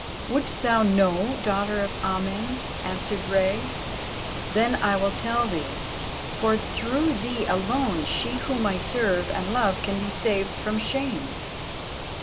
"Wouldst thou know, Daughter of Amen?" answered Rei; "then I will tell thee, for through thee alone she whom I serve and love can be saved from shame.